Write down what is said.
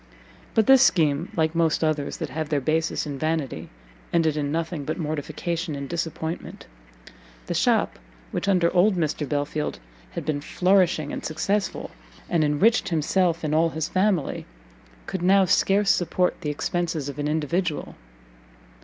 But this scheme, like most others that have their basis in vanity, ended in nothing but mortification and disappointment: the shop which under old Mr. Belfield had been flourishing and successful, and enriched himself and all his family, could now scarce support the expences of an individual.